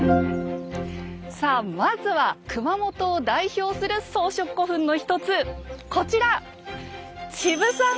さあまずは熊本を代表する装飾古墳の一つこちら！